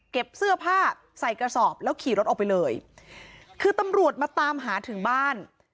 เสื้อผ้าใส่กระสอบแล้วขี่รถออกไปเลยคือตำรวจมาตามหาถึงบ้าน